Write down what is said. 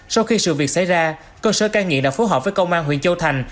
sau khi sự việc xảy ra cơ sở cai nghiện đã phối hợp với công an huyện châu thành